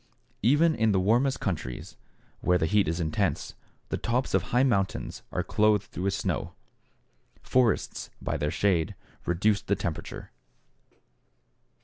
Even in the warmest countries, where the heat is intense, the tops of high mountains are clothed with snow. Forests, by their shade, reduce the temperature.